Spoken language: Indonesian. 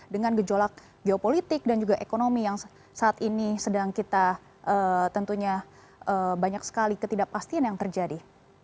dengan gejolak geopolitik dan juga ekonomi yang saat ini sedang kita tentunya banyak sekali ketidakpastian yang terjadi